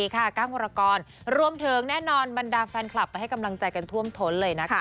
กล้างวรกรรวมถึงแน่นอนบรรดาแฟนคลับไปให้กำลังใจกันท่วมท้นเลยนะคะ